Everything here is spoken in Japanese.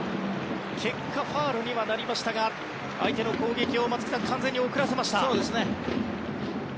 結果、ファウルにはなりましたが相手の攻撃を完全に送らせました。